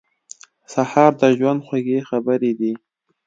سهار د ژوند خوږې خبرې دي.